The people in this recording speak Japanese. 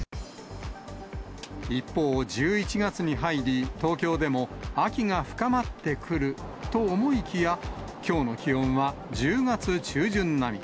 一方、１１月に入り、東京でも秋が深まってくると思いきや、きょうの気温は１０月中旬並み。